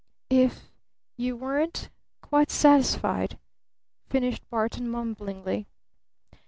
'" "'If you weren't quite satisfied,'" finished Barton mumblingly.